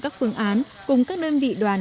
các phương án cùng các đơn vị đoàn